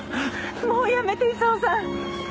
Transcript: もうやめて勲さん！